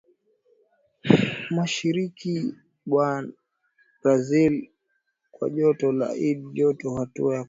mashariki mwa Brazil kwa joto la id la joto Hatua ya kwanza